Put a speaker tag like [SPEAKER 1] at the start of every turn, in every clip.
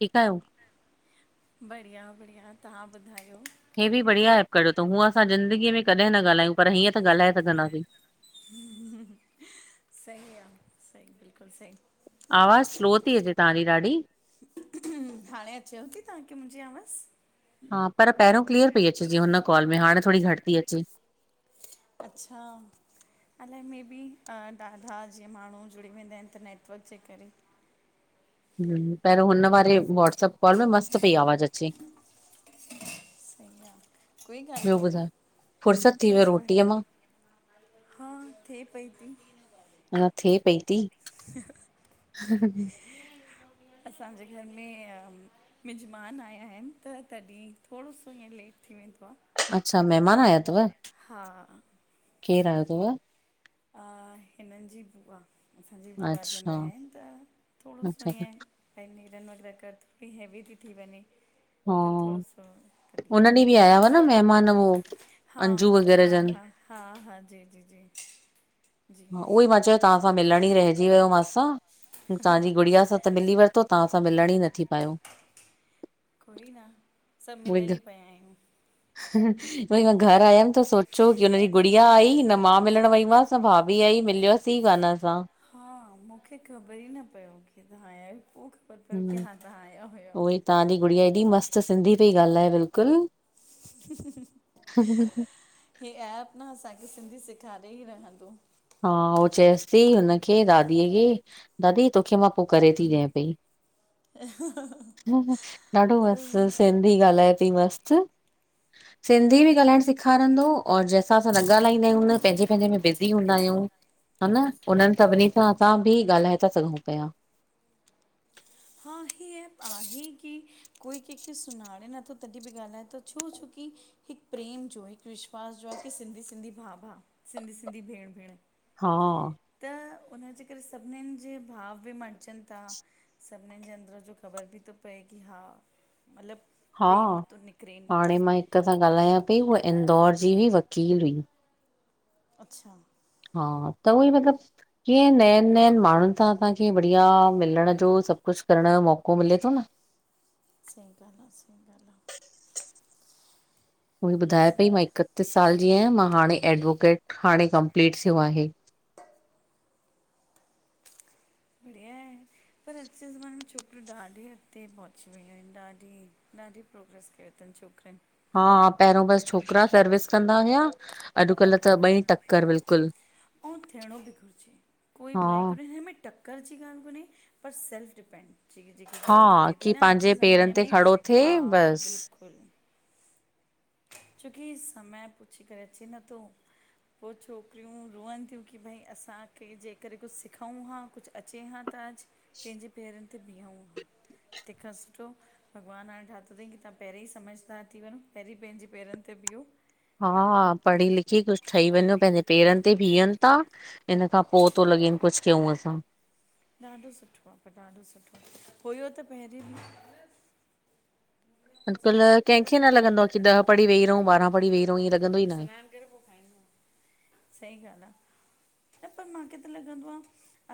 [SPEAKER 1] ठीकु आहियो?
[SPEAKER 2] बढ़िया बढ़िया तव्हां ॿुधायो?
[SPEAKER 1] हीअ बि बढ़िया ऐप कढियो अथउं हूअं असां ज़िंदगीअ में कॾहिं न ॻाल्हायूं पर हीअं त ॻाल्हाए सघंदासीं।
[SPEAKER 2] सही आहे सही बिल्कुलु सही
[SPEAKER 1] आवाज़ स्लो थी अचे तव्हांजी ॾाढी।
[SPEAKER 2] हाणे अचेव थी तव्हांखे मुंहिंजी आवाज़।
[SPEAKER 1] हा पर पहिरियों क्लीअर पई अचे जिअं हुन कॉल में हाणे थोड़ी घटि थी अचे।
[SPEAKER 2] अच्छा अलाए मे बि ॾाढा जीअं माण्हू जुड़ी वेंदा आहिनि त नेटवर्क जे करे।
[SPEAKER 1] हूं, पहिरियों हुन वारे वॉट्सप कॉल में मस्तु पई आवाज़ अचे।
[SPEAKER 2] सही आहे कोई ॻाल्ह
[SPEAKER 1] ॿियो
[SPEAKER 2] कोने।
[SPEAKER 1] ॿुधायो? फुर्सत थी वियो
[SPEAKER 2] बसि बढ़िया,
[SPEAKER 1] रोटीअ मां
[SPEAKER 2] हा थिए पई थी।
[SPEAKER 1] अञा थिए पई थी।
[SPEAKER 2] हा हा
[SPEAKER 1] हा हा
[SPEAKER 2] असांजे घर में मिज़मान आया आहिनि त तॾहिं थोड़ो सो ईअं लेट थी वेंदो आहे।
[SPEAKER 1] अच्छा मेहिमान आया अथव?
[SPEAKER 2] हा
[SPEAKER 1] केर आयो अथव?
[SPEAKER 2] अ, हिननि जी बुआ। असांजी बुआ जन
[SPEAKER 1] अच्छा
[SPEAKER 2] आया आहिनि त थोड़ो सो
[SPEAKER 1] अच्छा अच्छा।
[SPEAKER 2] ईअं ऐं नेरिन वग़ैरह कर थोड़ो हैवी थी, थी वञे
[SPEAKER 1] हा
[SPEAKER 2] त थोड़ो सो कॾहिं।
[SPEAKER 1] उन ॾींहुं बि आया हुआ न मेहिमान उहो
[SPEAKER 2] हा
[SPEAKER 1] अंजू वग़ैरह
[SPEAKER 2] हा
[SPEAKER 1] जनि।
[SPEAKER 2] हा हा हा जी जी जी जी
[SPEAKER 1] हा उहो ई मां
[SPEAKER 2] सही
[SPEAKER 1] चयो
[SPEAKER 2] ॻाल्हि
[SPEAKER 1] तव्हांसां मिलण ई रहिजी वियो मूसां तव्हांजी गुड़िया सां त मिली वठो। त तव्हांसां मिलण ई न थी पायो।
[SPEAKER 2] आहे कोई न सभु मिलियल ई पिया आहियूं
[SPEAKER 1] हा हा वरी मां घर आयमि त सोचियो की हुनजी गुड़िया आई न मां मिलण वईमासि न भाभी आई मिलियास ई कोन असां
[SPEAKER 2] हा मूंखे ख़बर ई न पियो की तव्हां आया आहियो पोइ ख़बर पियो की
[SPEAKER 1] हम्म
[SPEAKER 2] हा तव्हां आया हुयो।
[SPEAKER 1] उहोई तव्हांजी गुड़िया ऐॾी मस्त सिंधी पई ॻाल्हाए बिल्कुलु।
[SPEAKER 2] हे ऐप न असांखे सिंधी सेखारे ई रहंदो।
[SPEAKER 1] हा हो चएसि थी हुनखे दादीअ खे। दादी तोखे मां पोइ करे थी ॾियां पई। ॾाढो
[SPEAKER 2] सही
[SPEAKER 1] मस्तु
[SPEAKER 2] आहे
[SPEAKER 1] सिंधी ॻाल्हाए थी मस्तु। सिंधी बि ॻाल्हाइण
[SPEAKER 2] सही
[SPEAKER 1] सेखारींदो और जंहिंसा असां न ॻाल्हाईंदायूं न हुन पंहिंजे पंहिंजे में बिज़ी हूंदा आहियूं हा न उन्हनि सभिनी सां असां बि ॻाल्हाए था सघूं पिया।
[SPEAKER 2] हा, हे ऐप आहे की कोई कंहिंखे सुञाणे नथो तॾहिं बि ॻाल्हाए थो छो छोकी। हिकु प्रेम जो हिकु विश्वास जो आहे की सिंधी सिंधी भाउ भाउ सिंधी सिंधी भेण भेण।
[SPEAKER 1] हा
[SPEAKER 2] त हुनजे करे सभिनीनि जे भाव बि मटजनि था सभिनीनि जे अंदर। जो ख़बर बि थो पए की हा मतिलबु।
[SPEAKER 1] हा
[SPEAKER 2] प्रेम थो निकिरेनि
[SPEAKER 1] हाणे मां हिकु सां ॻाल्हायां पई हूहा इंदौर जी हुई वकील हुई
[SPEAKER 2] अच्छा
[SPEAKER 1] हा त उहोई मतिलबु कीअं नएनि नएनि माण्हुनि सां असांखे बढ़िया मिलण जो सब कुझु करण जो मौको मिले थो न।
[SPEAKER 2] सईं ॻाल्ह आ, सई ॻाल्ह आ।
[SPEAKER 1] ओई ॿुधाए पई, मां इकतीस साल जी आहियां, मां हाणे एडवोकेट हाणे कंप्लीट थियो आहे।
[SPEAKER 2] बढ़िया आहे। पर अॼु जे ज़माने में छोकिरियूं ॾाढे अॻते पहुची वियूं आहिन, ॾाढी -ॾाढी। प्रोग्रेस कयो थन छोकिरियन।
[SPEAKER 1] हा पहिरियों बस छोकिरा सर्विस कंदा हुया! अॼुकल्ह त ॿई टक्कर बिल्कुलु।
[SPEAKER 2] अंउ थियणो बि घुरिजे, कोई
[SPEAKER 1] हा
[SPEAKER 2] बुराई कोन ए हिनमें टक्क करर जी ॻाल्हि कोन्हे पर सेल्फ डिपेंड। जेकी जेकी
[SPEAKER 1] हा
[SPEAKER 2] ॻाल्हि हले थी
[SPEAKER 1] की
[SPEAKER 2] न, अॼु जे
[SPEAKER 1] पंहिंजे पेरनि
[SPEAKER 2] ज़माने
[SPEAKER 1] ते
[SPEAKER 2] में,
[SPEAKER 1] खड़ो
[SPEAKER 2] हा
[SPEAKER 1] थिए बसि।
[SPEAKER 2] बिल्कुलु। छोकि समय पूछी करे अचे न थो। पो छोकिरियूं रोअन थियूं कि भई असांखे जे करे कुछु सिखउं हां, कुछु अचे हां त अॼु पंहिंजे पेरनि ते भिअंहूं हां। तेंखां सुठो भॻवानु हाणे ठातो थई कि तंव्हां पहिरीं समझदार थी वंञो, पहिरीं पंहिंजी पेरनि ते भियो।
[SPEAKER 1] हा, पढ़ी लिखी कुछु ठही वंञो, पेंजे पेरनि ते
[SPEAKER 2] बिल्कुलु
[SPEAKER 1] भिहन ता। इन खां पो तो लॻेन कुछु कयूं असां।
[SPEAKER 2] ॾाढो सुठो आ पर ॾाढो सुठो, हुयो त पहिरीं बि
[SPEAKER 1] अॼकल्ह कंहिं खे न लॻंदो आ कि ॾह पढी वेही रहूं, ॿारह पढ़ीे व रंउ, इअ लॻंदो ई
[SPEAKER 2] मां
[SPEAKER 1] न आए।
[SPEAKER 2] सनानु सही ॻाल्हि आ, न पर मांखे त लॻंदो आ।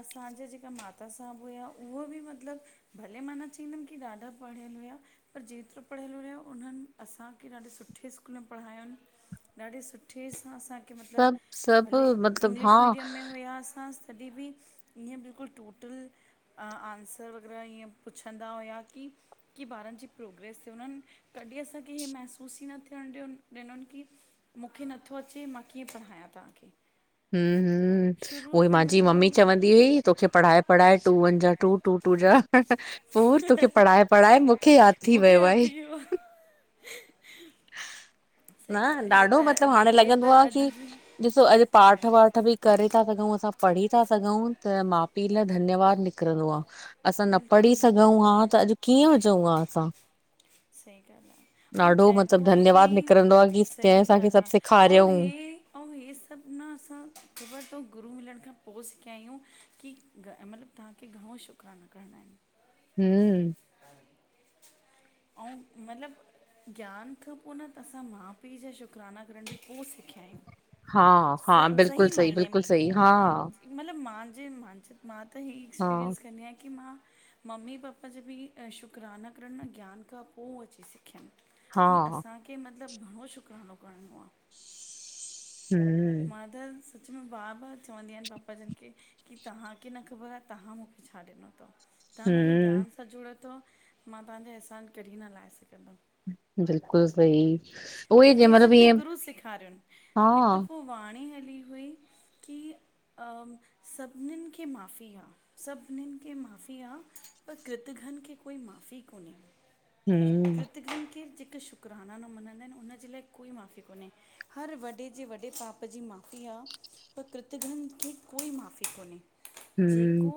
[SPEAKER 2] असांजा जेके माता साहबु हुया, उहो बि मतिलबु भले मा न चवंदमि की ॾाढा पढ़ियल हुया पर जेतिरो पढ़ियल हुयो, उन्हनि असांखे ॾाढे सुठ्ठे स्कूल में पढ़ायोन, ॾाढे सुठ्ठे सां असां कि
[SPEAKER 1] सभु
[SPEAKER 2] मतिलबु
[SPEAKER 1] सभु
[SPEAKER 2] भले
[SPEAKER 1] मतिलबु हा
[SPEAKER 2] इंग्लिश मीडियम में हुया असां कॾहिं बि इं बिल्कुलु टोटल आनसर वग़ैरह ईअं पुछंदा हुया कि की ॿारनि जी प्रोग्रेस त उननि कॾहिं असांखे इहे महसूस ई न थियणु ॾ ॾिनुन कि मूंखे नथो अचे, मां कीअं पढ़ायां तहांखे।
[SPEAKER 1] हम हम उहो ई मंहांजी
[SPEAKER 2] मतिलबु
[SPEAKER 1] मम्मी
[SPEAKER 2] उहो
[SPEAKER 1] चवंदी हुई तोखे पढ़ाए पढ़ाए टू वन जा टू, टू- टू जा पूर तोखे पढ़ाए- पढ़ाए मूंखे याद थी वियो आहे।
[SPEAKER 2] ब [inaudible]
[SPEAKER 1] न
[SPEAKER 2] ॻाल्हि आहे हे त
[SPEAKER 1] ॾाढो मतिलबु हाणे
[SPEAKER 2] अॼु हे
[SPEAKER 1] लॻंदो
[SPEAKER 2] त
[SPEAKER 1] आ
[SPEAKER 2] अॼु
[SPEAKER 1] की
[SPEAKER 2] जी
[SPEAKER 1] ॾिसो अॼु
[SPEAKER 2] सही ॻाल्हि
[SPEAKER 1] पाठ
[SPEAKER 2] आहे
[SPEAKER 1] बि करे था सघूं, असां पढ़ी था सघूं त माउ पीउ ला ए धन्यवाद निकिरंदो आ। असां न पढ़ी
[SPEAKER 2] बिल्कुलु
[SPEAKER 1] सघंउ हा त अॼु कीअं हुजऊं हा असां!
[SPEAKER 2] सही ॻाल्हि आ, अंउ
[SPEAKER 1] ॾाढो
[SPEAKER 2] चइबो
[SPEAKER 1] मतिलबु
[SPEAKER 2] आ कि,
[SPEAKER 1] धन्यवाद निकिरंदो आ की कंहिं
[SPEAKER 2] सही
[SPEAKER 1] असांखे
[SPEAKER 2] ॻाल्हि आ,
[SPEAKER 1] सभु
[SPEAKER 2] अंउ
[SPEAKER 1] सेखारियऊं
[SPEAKER 2] हे अंउ हीअ सब न असां ख़बर थव गुरू मिलण खां पो सिखिया आहियूं कि मतिलबु तहांखे घणो शुकराना करंणा आहिन।
[SPEAKER 1] हम्म
[SPEAKER 2] अंउ मतिलब ज्ञान खां पो न, त असां माउ पीउ जा शुकराना करण बि पो सिखिया आयूं।
[SPEAKER 1] हा हा बिल्कुलु सइ, बिल्कुलु सइ, हा।
[SPEAKER 2] मतलबु मांहांजे मां, मां त इहे
[SPEAKER 1] हा
[SPEAKER 2] एक्सपीरियंस कंदी आहियां कि मां मम्मी पपा जा बि शुकराना करण न ज्ञान खां पो अची सिखियन।
[SPEAKER 1] हा
[SPEAKER 2] कि असांखे मतिलबु घणो शुकरानो करिणो आहे।
[SPEAKER 1] हम [inaudible]
[SPEAKER 2] मां त सच में बार-बार चवंदी आहिनि पापा जनि खे कि तव्हांखे न ख़बर आहे तव्हां मूंखे छा ॾिनो अथव। तव्हां मूंखे
[SPEAKER 1] हम्म
[SPEAKER 2] ज्ञान सां जोड़ियो अथव। मां तव्हांजा अहसान कॾहिं न लाहे सघंदमि।
[SPEAKER 1] बिल्कुलु सही उहे
[SPEAKER 2] त
[SPEAKER 1] जंहिं
[SPEAKER 2] हे
[SPEAKER 1] महिल
[SPEAKER 2] सभु बि
[SPEAKER 1] ईअं
[SPEAKER 2] गुरु सेखारनि।
[SPEAKER 1] हा
[SPEAKER 2] हिकु दफ़ो उहा वाणी हली हुई कि अ सभिनीनि खे माफ़ी आहे। सभिनीनि खे माफ़ी आ। पर कृतघ्न खे कोई माफ़ी कोन्हे।
[SPEAKER 1] हम्म।
[SPEAKER 2] कृतघ्न खे जेके शुकराना न मञंदा आहिनि। हुन जे लाइ कोई माफ़ी कोन्हे। हर वॾे जे वॾे वॾे पाप जी माफ़ी आहे। पर कृतघ्न खे कोई माफ़ी कोन्हे।
[SPEAKER 1] हम्म
[SPEAKER 2] जेको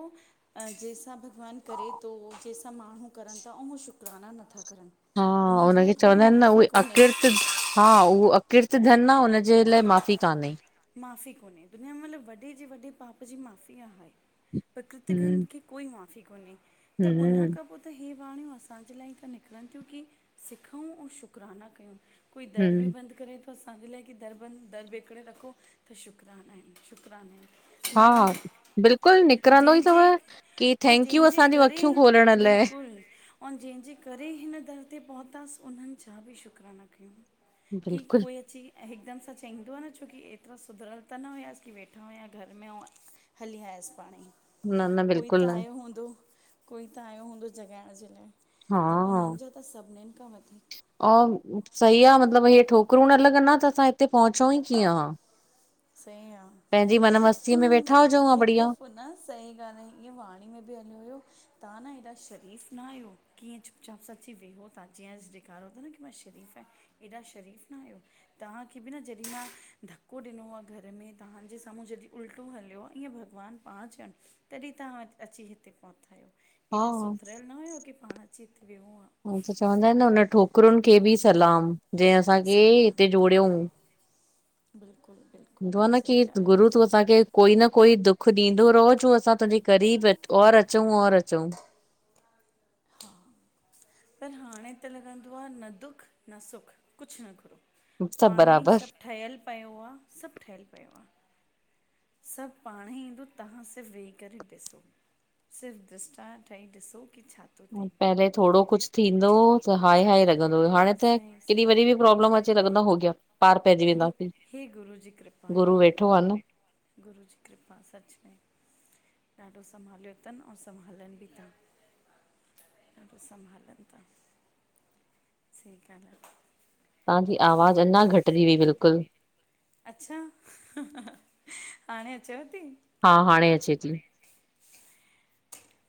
[SPEAKER 2] जंहि सां भगवानु करे थो। जंहि सां माण्हू करनि था। ऐं हो शुकराना नथा करनि।
[SPEAKER 1] हा
[SPEAKER 2] उन्हनि जे लाइ
[SPEAKER 1] हुनखे
[SPEAKER 2] कोई
[SPEAKER 1] चवंदा आहिनि न
[SPEAKER 2] माफ़ी
[SPEAKER 1] उहे
[SPEAKER 2] कोन्हे।
[SPEAKER 1] अकिर्त हा उहो अ कृतघ्न आहे हुनजे लाइ माफ़ी कान्हे।
[SPEAKER 2] माफ़ी कोन्हे। दुनिया में मतलबु वॾे जे वॾे पाप जी माफ़ी आहे। पर कृतघ्न
[SPEAKER 1] हम्म
[SPEAKER 2] खे कोई माफ़ी कोन्हे। त उन
[SPEAKER 1] हम्म
[SPEAKER 2] खां पोइ त हे वाणियूं असांजे लाइ त निकिरनि थियूं कि सिखऊं ऐं शुकराना कयऊं। कोई दर बि
[SPEAKER 1] हम्म
[SPEAKER 2] बंदि करे थो असांजे लाइ कि दर बंदि दर वेकड़े रखो त शुकराना आहिनि। शुकराना आहिनि।
[SPEAKER 1] हा
[SPEAKER 2] मनो,
[SPEAKER 1] बिल्कुलु निकिरंदो ई थव
[SPEAKER 2] जंहिंजे
[SPEAKER 1] की
[SPEAKER 2] ऐं
[SPEAKER 1] थैंक यू
[SPEAKER 2] जंहिंजे
[SPEAKER 1] असांजूं
[SPEAKER 2] करे
[SPEAKER 1] अखियूं खोलण
[SPEAKER 2] बिल्कुल
[SPEAKER 1] लाइ
[SPEAKER 2] बिल्कुलु, अऊं जंहिंजे करे हिन दर ते पहुतासं उन्हनि जा बि शुकराना कयूं। कि
[SPEAKER 1] बिल्कुलु
[SPEAKER 2] कोई अची हिकदम सां चईंदो आहे न छोकी एतिरा सुधिरल त न हुयासीं कि वेठा हुया घर में ऐं हली आयसि पाण ई।
[SPEAKER 1] न न
[SPEAKER 2] कोई त
[SPEAKER 1] बिल्कुलु न
[SPEAKER 2] आयो हूंदो। कोई त आयो हूंदो, जॻाइण जे लाइ।
[SPEAKER 1] हा
[SPEAKER 2] त उन्हनि जो त सभिनीनि खां वधीक
[SPEAKER 1] ऐं सही आहे मतिलबु इहे ठोकरूं न लॻन हा त असां हिते पहुचऊं ई कीअं हां।
[SPEAKER 2] सही आ। हिकु
[SPEAKER 1] में वेठा हुजऊं हा बढ़िया
[SPEAKER 2] दफ़ो न सही ॻाल्हि आहे। इअं वाणी में बि हलियो हुयो तव्हां न हेॾा शरीफ़ न आहियो कि इअं चुप चाप सां अची वेहो तां। जीअं ॾेखारो ता न कि मां शरीफ़ आहियां। एॾा शरीफ़ न आहियो। तव्हां खे बि न जे कि मां धक्को ॾिनो आ घर में तव्हांजे साम्हूं जॾहिं उल्टो हलियो आहे ईअं भॻवान पाण चवनि तॾहिं तव्हां अची हिते पहुता आहियो। एॾा
[SPEAKER 1] हा।
[SPEAKER 2] सुधरियल न हुयव कि पाण अची हिते वेहो हां।
[SPEAKER 1] हूं त चवंदा आहिनि हुन ठोकरुनि खे बि सलाम जहिं असां खे हिते जोड़ियऊं।
[SPEAKER 2] बिल्कुल बिल्कुल।
[SPEAKER 1] हुंदो आ न कि गुरु तूं असांखे कोई न कोई दुख ॾींदो रहो जो असां तुंहिंजे क़रीब और अचऊं और अचऊं।
[SPEAKER 2] हा। पर हाणे त लॻंदो आ न दुख न सुख कुछ न घुरो।
[SPEAKER 1] सभु
[SPEAKER 2] पाणे ही
[SPEAKER 1] बराबर
[SPEAKER 2] सभु ठहियल पियो आ। सभु ठहियल पियो आ। सभु पाण ही ईंदो तव्हां सिर्फ़ वेही करे ॾिसो। सिर्फ़ दृष्टान ठही ॾिसो कि छा? थो थिए
[SPEAKER 1] पहले थोड़ो कुछ थींदो त हाए हाए लॻंदो हो। हाणे त
[SPEAKER 2] सही
[SPEAKER 1] केॾी
[SPEAKER 2] सही
[SPEAKER 1] वॾी बि प्रॉब्लम अचे लॻंदो हो गया। पार पइजी
[SPEAKER 2] गु
[SPEAKER 1] वेंदासी।
[SPEAKER 2] हे गुरू
[SPEAKER 1] गुरु वेठो आ न।
[SPEAKER 2] गुरु जी कृपा सच में। ॾाढो संभालियो तन अंउं संभालनि बि ता। ॾाडो संभालन ता, सही ॻाल आ।
[SPEAKER 1] तहांजी आवाज़ अंञां घटिजी वई बिल्कुल
[SPEAKER 2] अच्छा, हहहा हाणें अचेव ती?
[SPEAKER 1] हा हाणे अचे ती।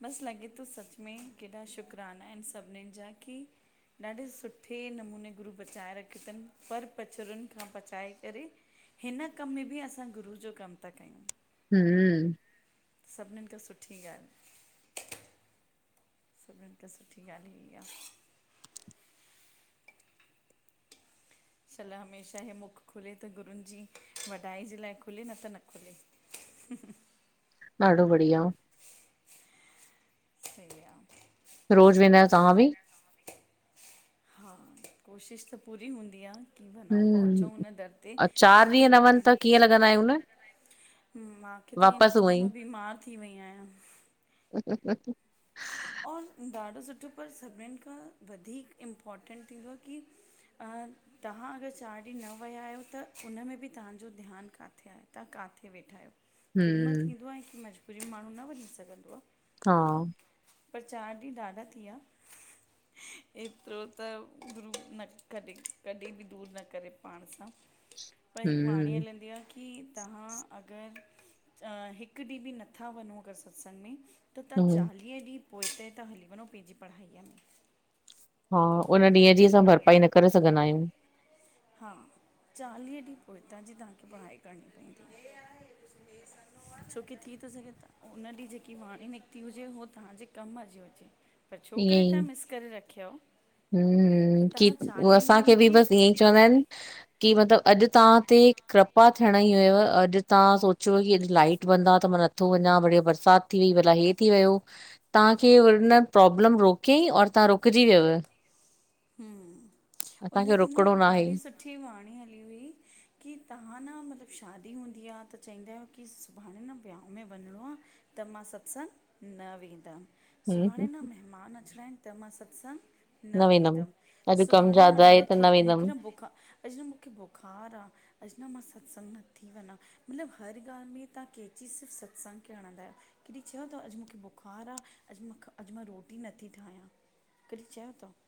[SPEAKER 2] बस लॻे तो सच में केॾा शुकराना इनि सभिनिन जा की ॾाढे सुठे नमूने गुरू बचाए रखियो तन, पर पचुरून खां बचाए करे हिन कम में बि असां गुरु जो कमु ता कयूं।
[SPEAKER 1] हम्म!
[SPEAKER 2] सभिनिन खां सुठी ॻाल्हि। सभिनिन खां सुठी ॻाल्हि इह्यई आ। छल हमेशा हे मुख खुले त ॻुरूनि जी वॾाई जे लाए खुले न त न खुले। ह
[SPEAKER 1] ॾाढो बढ़िया।
[SPEAKER 2] सही आ।
[SPEAKER 1] रोज वेंदा आहियो तव्हां बि?
[SPEAKER 2] हा! कोशिश त पूरी हुंदी आ। की वनंऊ पहुचऊं
[SPEAKER 1] हम्म
[SPEAKER 2] हुन दर ते
[SPEAKER 1] चार ॾींहं न वञ
[SPEAKER 2] छोकी
[SPEAKER 1] त कीअं लॻंदा आहियूं न
[SPEAKER 2] माखे त ईअं
[SPEAKER 1] वापसि उअं
[SPEAKER 2] लॻंदो मां बीमार थी वई आहियां।
[SPEAKER 1] ह-ह-ह।
[SPEAKER 2] और ॾाढो सुठो, पर सभिनिनि खां वधीक इर्म्पोटेंट थींदो आ की अं तहां अगर चारि ॾींहं न वया आहियो त उन में बि तहांजो ध्यानु काथे आहे, तहां काथे वेठा आहियो। केॾीमहिल
[SPEAKER 1] हम्म
[SPEAKER 2] थींदो आहे की मजबूरीअ में माण्हूं न वंञी सघंदो आ।
[SPEAKER 1] हा
[SPEAKER 2] पर चार ॾींह ॾाढा थी या। एतिरो त गुरु न कॾी, कॾी बि दूरि न करे पांण सां। पर हिक वाणी
[SPEAKER 1] हम्म
[SPEAKER 2] हलंदी आ कि की तहां अगरि अ हिकु ॾीहुं बि नथा वनो अगरि सत्संगु में त तहां
[SPEAKER 1] हम्म
[SPEAKER 2] चालीह ॾींह पोहिते ता हली वनो पेंजी पढ़ाईअ में।
[SPEAKER 1] हा उन्ह ॾींहं जी असां भरपाई न करे सघंदा आहियूं।
[SPEAKER 2] हा। चालीह ॾींह पोइता जी तहांखे पढ़ाई करणी पंइंदी। छोकी थी तो सघे त उन्ह ॾींहुं जेकी वाणी निकिती हुजे, हो तहांजे कम जी हुजे। पर
[SPEAKER 1] ईअं
[SPEAKER 2] छोकरे तहां
[SPEAKER 1] ई
[SPEAKER 2] मिस करे रखिव
[SPEAKER 1] हम्म! की हुअ असांखे
[SPEAKER 2] ॾींहंनि
[SPEAKER 1] बि बसि
[SPEAKER 2] जी
[SPEAKER 1] ईंयंई
[SPEAKER 2] खो
[SPEAKER 1] चवंदा इनि की मतिलबु अॼु तहां ते कृपा थियंण ई हुयव, अॼु तहां सोचियुव की अॼु लाइट बंद आ त मा न थो वंञां, बढ़िया बरसात थी वई, भला हे थी वयो तहांखे हुन प्रोब्लम रोकयंई और तहां रुकजी वियव।
[SPEAKER 2] हम्म,
[SPEAKER 1] असांखे
[SPEAKER 2] उन्हते न
[SPEAKER 1] रुकणो
[SPEAKER 2] हिक
[SPEAKER 1] आहे
[SPEAKER 2] ॾाढी सुठी ठी वांणी हली हुई, की तहां न मतिलबु शादी हुंदी आ त चईदा आहियो की सुभाणे न व्यांह में वंञिंणो आ, त मां सत्संगु न वेंदमि। सुभाणे
[SPEAKER 1] हम्म
[SPEAKER 2] न मेहमान अचिणां इनि, त मां सत्संगु न वेंदमि। दमि,
[SPEAKER 1] अॼु कमु
[SPEAKER 2] सुभाणे न मां
[SPEAKER 1] ज्यादा आहे
[SPEAKER 2] ॾाढो
[SPEAKER 1] त
[SPEAKER 2] थक, मुखे
[SPEAKER 1] वेंदमि
[SPEAKER 2] न बुखा, अॼु न मुखे बुखार आ। अॼु न मां सत्संगु नत्थी वना। मतलब, हर ॻाल्ह में, तहां कैंची सिर्फ़ सत्संग खे हणंदायो। कॾी च्यो तव, अॼ मूखे बुख़ार आ, अॼ मूंखे, अॼ मां रोटी नथी ठायां। कॾी चयो तव?